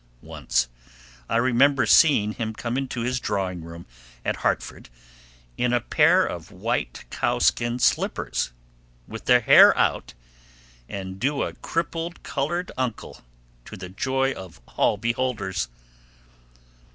Once I remember seeing him come into his drawing room at Hartford in a pair of white cowskin slippers, with the hair out, and do a crippled colored uncle to the joy of all beholders.